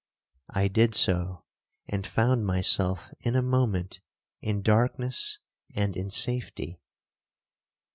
I did so, and found myself in a moment in darkness and in safety.